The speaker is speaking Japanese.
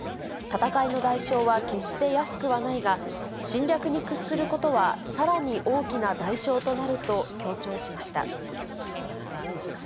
戦いの代償は決して安くはないが、侵略に屈することはさらに大きな代償となると強調しました。